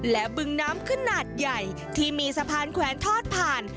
และบึงน้ำขนาดใหญ่ที่มีสะพานแขวนทอดผ่าน